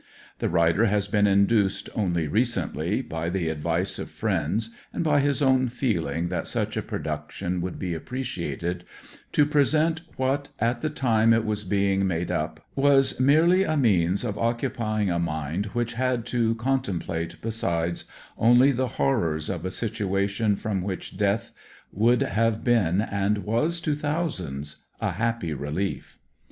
The writer has been induced, only recently, by the advice of friends and by his own feeling that such a production would be appreciated, to present what, at the time it was being made up, was merely a means of occupying a mind which had to contem plate, besides, only the horrors of a situation from which death would have been, and was to thousands, a happy relief.